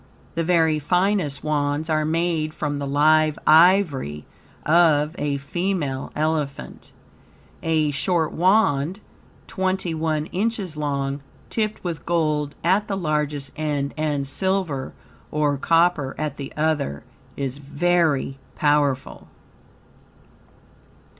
The very finest Wands are made from the live ivory of a female elephant. A short Wand, twenty one inches long, tipped with gold at the largest end and silver or copper at the other, is very powerful.